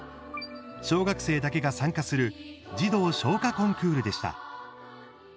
小学生だけが参加する児童唱歌コンクールでした。